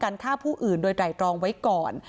การการท่าผู้อื่นโดยไตรองไว้ก่อน